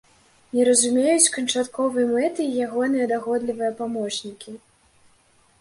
Не разумеюць канчатковай мэты й ягоныя дагодлівыя памочнікі.